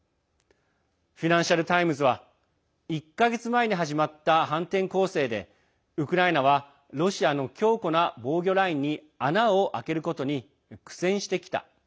フィナンシャル・タイムズは１か月前に始まった反転攻勢でウクライナはロシアの強固な防御ラインに穴を開けることに苦戦してきた。